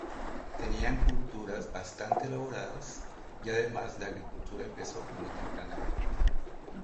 Tenían culturas bastante elaboradas y además la agricultura empezó muy tempranamente.